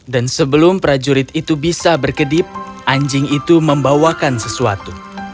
dan sebelum prajurit itu bisa berkedip anjing itu membawakan sesuatu